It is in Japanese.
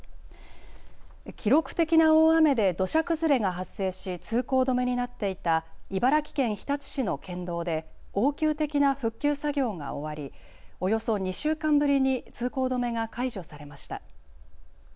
記録的な大雨で土砂崩れが発生し通行止めになっていた茨城県日立市の県道で応急的な復旧作業が終わり、およそ２週間ぶりに通行止めが解除されました。